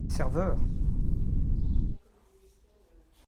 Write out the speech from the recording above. Serveur !